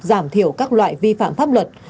giảm thiểu các loại vi phạm pháp luật